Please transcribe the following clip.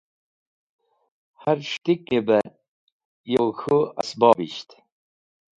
Har s̃hetikni bẽ yo k̃hũ esbobisht.